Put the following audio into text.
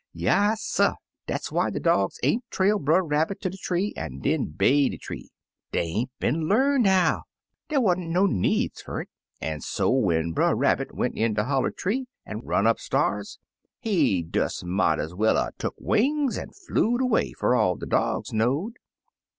Yasser! dat's why de dogs ain't trail Brer Rabbit ter de tree an' den bay de tree. Dey ain't been Tamed how; der wa'n't no needs fer it, an' so when Brer Rabbit went in de holler tree an' run'd up sta'rs, he des mought ez well 'a' took wings an' flew'd away, fer all de dogs know'd.